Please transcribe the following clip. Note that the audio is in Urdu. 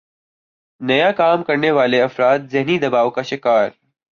نیا کام کرنے والےافراد ذہنی دباؤ کا شکار